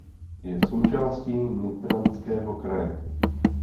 Je součástí Nitranského kraje.